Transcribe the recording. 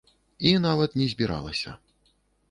І нават не збіралася.